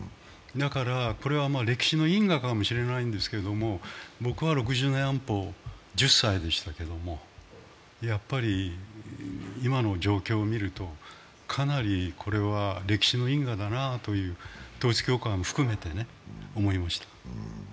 これは歴史の因果かもしれないですけども、僕は６０年安保、１０歳でしたけれどもやっぱり今の状況を見ると、かなりこれは歴史の因果だなという、統一教会も含めて思いました。